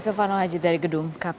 silvano haji dari gedung kpk